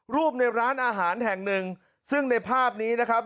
ในร้านอาหารแห่งหนึ่งซึ่งในภาพนี้นะครับ